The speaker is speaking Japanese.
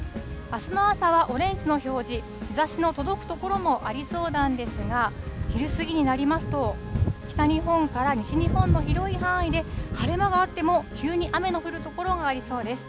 あすの朝はオレンジの表示、日ざしの届く所もありそうなんですが、昼過ぎになりますと、北日本から西日本の広い範囲で、晴れ間があっても急に雨の降る所がありそうです。